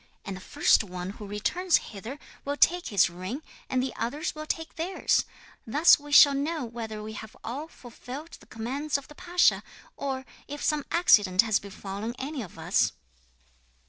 And the first one who returns hither will take his ring, and the others will take theirs. Thus we shall know whether we have all fulfilled the commands of the pasha, or if some accident has befallen any of us."